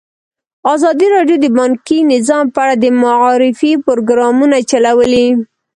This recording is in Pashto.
ازادي راډیو د بانکي نظام په اړه د معارفې پروګرامونه چلولي.